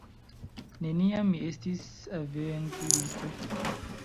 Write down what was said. Neniam mi estis aventuristo.